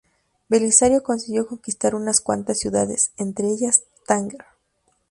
Belisario consiguió conquistar unas cuantas ciudades, entre ellas Tánger.